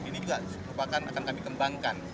ini juga merupakan akan kami kembangkan